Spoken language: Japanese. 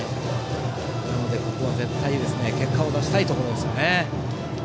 なので、ここは絶対に結果を出したいところですね。